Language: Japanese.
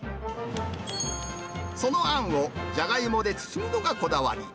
そのあんをジャガイモで包むのがこだわり。